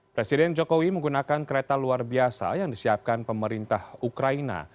presiden jokowi menggunakan kereta luar biasa yang disiapkan pemerintah ukraina